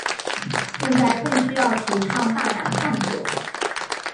现在更需要提倡大胆探索。